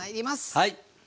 はい。